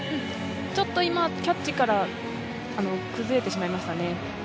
ちょっと今キャッチから崩れてしまいましたね。